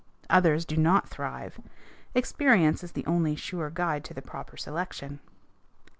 Others do not thrive. Experience is the only sure guide to the proper selection.